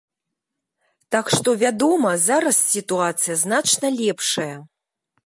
Так што, вядома, зараз сітуацыя значна лепшая.